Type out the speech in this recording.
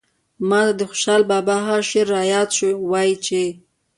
ماته د خوشال بابا هغه شعر راياد شو وايي چې